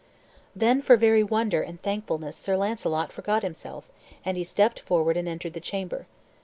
Then for very wonder and thankfulness Sir Launcelot forgot himself and he stepped forward and entered the chamber.